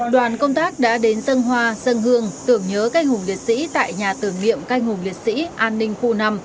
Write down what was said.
đoàn công tác đã đến dân hoa dân hương tưởng nhớ các anh hùng liệt sĩ tại nhà tưởng nghiệm các anh hùng liệt sĩ an ninh khu năm